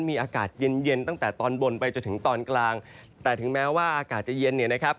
มีอากาศเย็นเย็นตั้งแต่ตอนบนไปจนถึงตอนกลางแต่ถึงแม้ว่าอากาศจะเย็นเนี่ยนะครับ